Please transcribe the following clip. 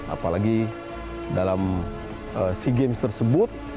apalagi dalam sea games tersebut